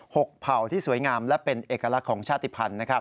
หกเพราที่สวยงามและเป็นเอกลักษณ์ของชาติภรรณ